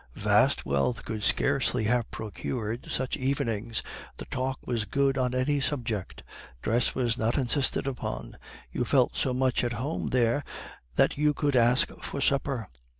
Vast wealth could scarcely have procured such evenings, the talk was good on any subject; dress was not insisted upon; you felt so much at home there that you could ask for supper.